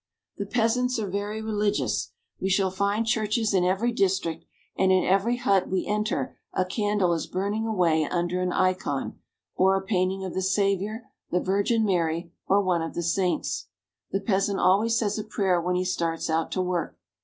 The peasants are very religious. We shall find churches in every district, and in every hut we enter a candle is burning away under an icon (l'kon) or a painting of the Savior, the Virgin Mary, or one of the saints. The peasant always says a prayer when he starts out to work.